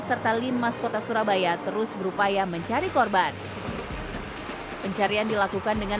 serta linmas kota surabaya terus berupaya mencari korban pencarian dilakukan dengan